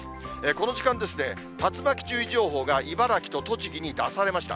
この時間、竜巻注意情報が茨城と栃木に出されました。